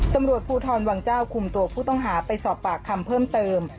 ตำรวจภูทรวังเจ้าคุมตัวผู้ต้องหาไปสอบปากคำเพิ่มเติม